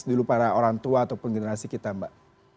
dulu para orang tua ataupun generasi kita mbak